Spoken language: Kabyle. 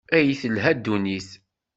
Ay telha ddunit!